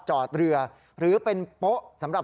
คุณผู้ชมไปฟังเธอธิบายแล้วกันนะครับ